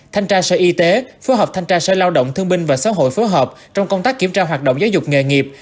thanh tra sở y tế phối hợp thanh tra sở lao động thương binh và xã hội phối hợp trong công tác kiểm tra hoạt động giáo dục nghề nghiệp